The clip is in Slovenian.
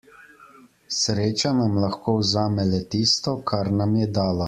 Sreča nam lahko vzame le tisto, kar nam je dala.